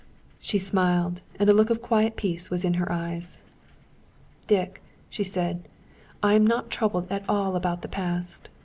She smiled, and a look of quiet peace was in her eyes. "Dick," she said, "I am not troubled at all about the past.